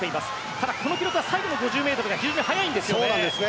ただ、これは最後の５０ｍが非常に速いんですよね。